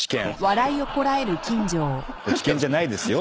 落研じゃないですよ。